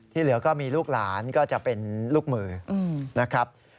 เหลือก็มีลูกหลานก็จะเป็นลูกมือนะครับ